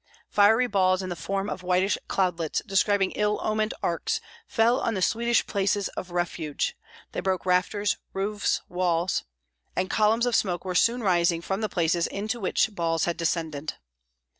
Fiery balls in the form of whitish cloudlets describing ill omened arcs fell on the Swedish places of refuge, they broke rafters, roofs, walls; and columns of smoke were soon rising from the places into which balls had descended.